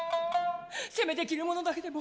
せめて着る物だけでも。